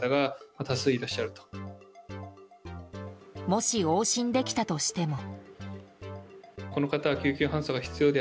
もし往診できたとしても。